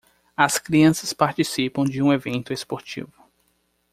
As crianças participam de um evento esportivo.